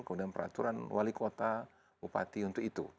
kemudian peraturan wali kota bupati untuk itu